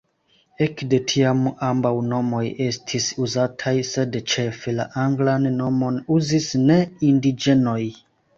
Ekde tiam ambaŭ nomoj estis uzataj, sed ĉefe la anglan nomon uzis ne-indiĝenoj.